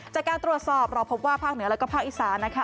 จากการตรวจสอบเราพบว่าภาคเหนือแล้วก็ภาคอีสานนะคะ